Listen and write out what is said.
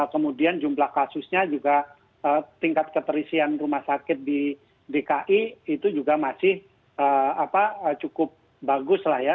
kemudian jumlah kasusnya juga tingkat keterisian rumah sakit di dki itu juga masih cukup bagus lah ya